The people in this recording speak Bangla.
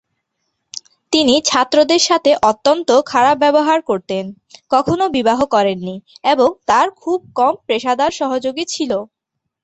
তিনি ছাত্রদের সাথে অত্যন্ত খারাপ ব্যবহার করতেন, কখনো বিবাহ করেননি, এবং তাঁর খুব কমই পেশাদার সহযোগী ছিল।